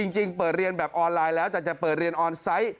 จริงเปิดเรียนแบบออนไลน์แล้วแต่จะเปิดเรียนออนไซต์